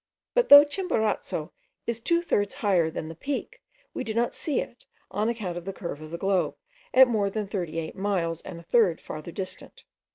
But though Chimborazo is two thirds higher than the peak, we do not see it, on account of the curve of the globe, at more than 38 miles and a third farther distant.